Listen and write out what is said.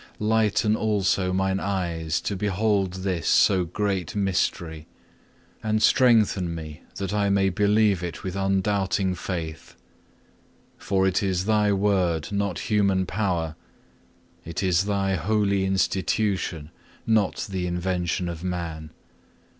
Lighten also mine eyes to behold this so great mystery, and strengthen me that I may believe it with undoubting faith. For it is Thy word, not human power; it is Thy holy institution, not the invention of man.